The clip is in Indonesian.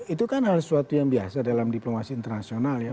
itu kan hal sesuatu yang biasa dalam diplomasi internasional ya